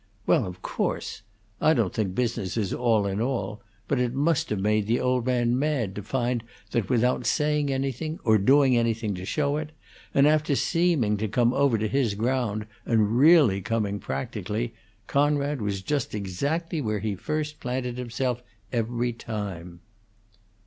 Well, of course! I don't think business is all in all; but it must have made the old man mad to find that without saying anything, or doing anything to show it, and after seeming to come over to his ground, and really coming, practically, Coonrod was just exactly where he first planted himself, every time."